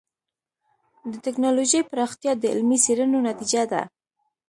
د ټکنالوجۍ پراختیا د علمي څېړنو نتیجه ده.